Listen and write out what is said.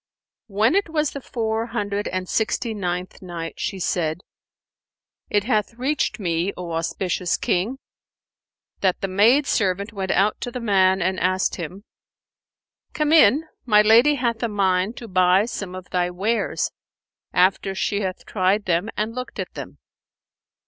When it was the Four Hundred and Sixty ninth Night, She said, It hath reached me, O auspicious King, that the maid servant went out to the man and asked him, "Come in; my lady hath a mind to buy some of thy wares, after she hath tried them and looked at them."